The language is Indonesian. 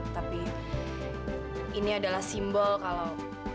tapi ini adalah simbol kalau